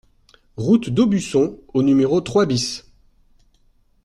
Route d'Aubusson au numéro trois BIS